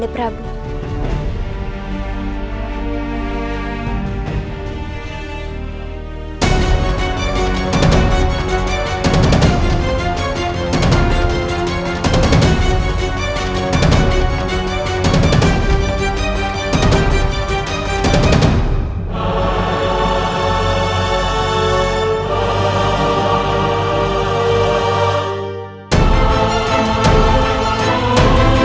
baik ayah and prabu